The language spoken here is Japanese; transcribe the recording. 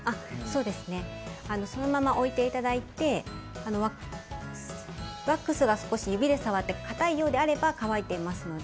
そのまま置いていただいてワックスが少し指で触って固いようであれば乾いていますので。